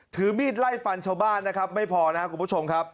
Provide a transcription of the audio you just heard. ถือมีดไล่ฟันชาวบ้านไม่พอนะคะกลุ่มประชง